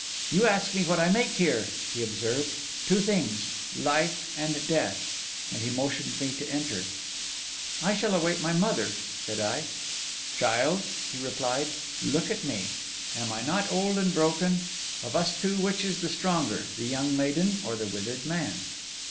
'You ask me what I make here,' he observed. 'Two things: Life and Death.' And he motioned me to enter. 'I shall await my mother,' said I. 'Child,' he replied, 'look at me: am I not old and broken? Of us two, which is the stronger, the young maiden or the withered man?